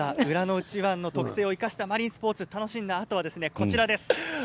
内湾の特性を生かしたマリンスポーツを楽しんだあとはこちらです。